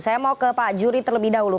saya mau ke pak juri terlebih dahulu